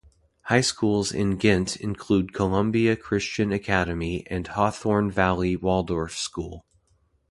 High schools in Ghent include Columbia Christian Academy and Hawthorne Valley Waldorf School.